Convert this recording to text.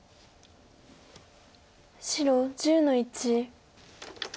白１０の一。